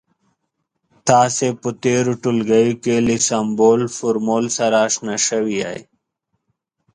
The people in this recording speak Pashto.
تاسې په تیرو ټولګیو کې له سمبول، فورمول سره اشنا شوي يئ.